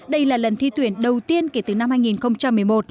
đây là lần thi tuyển đầu tiên kể từ năm hai nghìn một mươi một